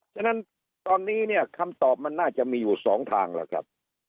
ฉะนั้นตอนนี้เนี่ยคำตอบมันน่าจะมีอยู่๒ทางแล้วครับ